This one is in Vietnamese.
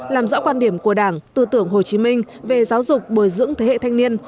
làm rõ quan điểm của đảng tư tưởng hồ chí minh về giáo dục bồi dưỡng thế hệ thanh niên